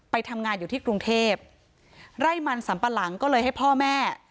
ไปทำงานอยู่ที่กรุงเทพไร่มันสัมปะหลังก็เลยให้พ่อแม่